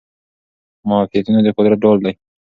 معافیتونه د قدرت ډال دي.